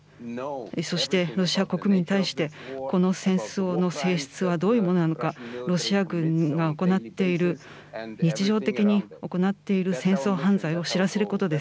そしてロシア国民に対して、この戦争の性質はどういうものなのか、ロシア軍が行っている、日常的に行っている戦争犯罪を知らせることです。